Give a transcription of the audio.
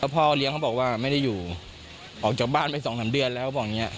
พ่อเรียกเขาบอกว่าไม่ได้อยู่ออกจากบ้านไปสองสามเดือนแล้ว